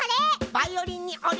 バイオリンにオリ！